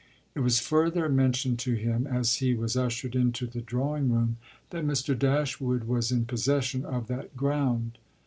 It was further mentioned to him, as he was ushered into the drawing room, that Mr. Dashwood was in possession of that ground.